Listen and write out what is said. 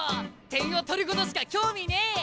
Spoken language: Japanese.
点を取ることしか興味ねえ！